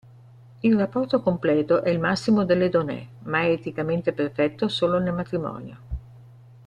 Il rapporto completo è il massimo dell'Edoné, ma è eticamente perfetto solo nel matrimonio.